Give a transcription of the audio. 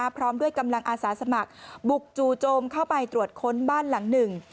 พร้อมด้วยกำลังอาสาสมัครบุกจู่โจมเข้าไปตรวจค้นบ้านหลังหนึ่ง